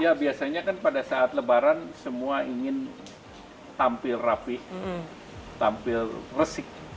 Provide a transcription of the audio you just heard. ya biasanya kan pada saat lebaran semua ingin tampil rapi tampil resik